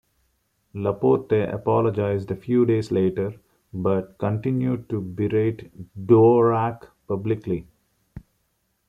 Laporte apologized a few days later, but continued to berate Dvorak publicly.